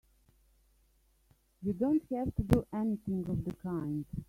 You don't have to do anything of the kind!